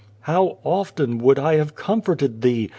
" How often would I have comforted thee